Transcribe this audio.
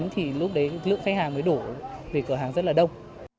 thì lúc đấy lượng khách hàng mới đổ về cửa hàng rất là đông